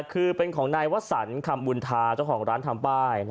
คือเป็นของนายวสันคำบุญธาเจ้าของร้านทำป้าย